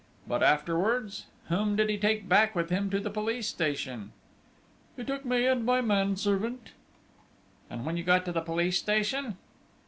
But afterwards?... Whom did he take back with him to the police station?" "He took me and my manservant." "And when you got to the police station?"